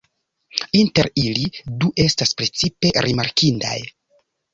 Inter ili, du estas precipe rimarkindaj.